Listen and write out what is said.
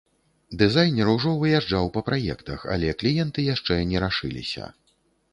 Дызайнер ужо выязджаў па праектах, але кліенты яшчэ не рашыліся.